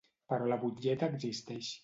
Però la butlleta existeix.